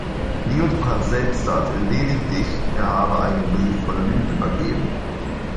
Liutprand selbst sagt lediglich, er habe einen „Brief voller Lügen“ übergeben.